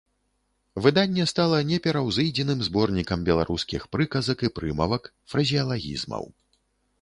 Выданне стала непераўзыдзеным зборнікам беларускіх прыказак і прымавак, фразеалагізмаў.